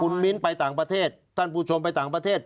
คุณมิ้นไปต่างประเทศท่านผู้ชมไปต่างประเทศ